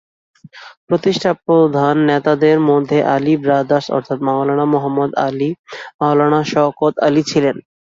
প্রতিষ্ঠাতা প্রধান নেতাদের মধ্যে আলী ব্রাদার্স, অর্থাৎ মাওলানা মুহাম্মদ আলি মাওলানা শওকত আলি ছিলেন।